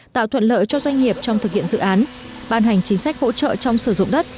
tạo thuận lợi cho doanh nghiệp trong thực hiện dự án ban hành chính sách hỗ trợ trong sử dụng đất